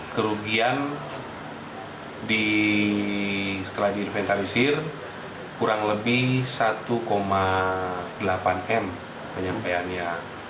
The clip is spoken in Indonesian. kerugian setelah diinventarisir kurang lebih satu delapan m penyampaiannya